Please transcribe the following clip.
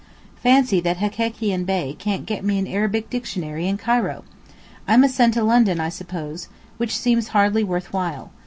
Fancy that Hekekian Bey can't get me an Arabic dictionary in Cairo. I must send to London, I suppose, which seems hardly worth while.